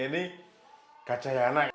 ini gak jalan